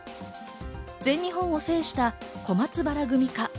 全日本を制した小松原組か。